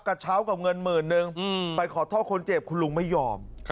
กระเช้ากับเงินหมื่นนึงไปขอโทษคนเจ็บคุณลุงไม่ยอม